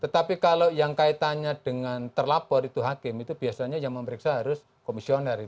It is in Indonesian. tetapi kalau yang kaitannya dengan terlapor itu hakim itu biasanya yang memeriksa harus komisioner